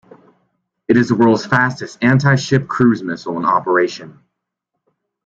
It is the world's fastest anti-ship cruise missile in operation.